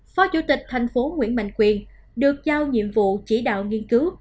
phó chủ tịch tp nguyễn mạnh quyền được giao nhiệm vụ chỉ đạo nghiên cứu